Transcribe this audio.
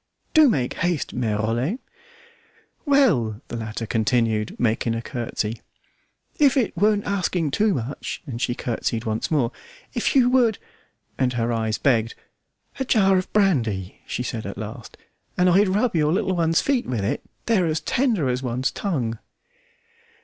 "Do make haste, Mere Rollet!" "Well," the latter continued, making a curtsey, "if it weren't asking too much," and she curtsied once more, "if you would" and her eyes begged "a jar of brandy," she said at last, "and I'd rub your little one's feet with it; they're as tender as one's tongue."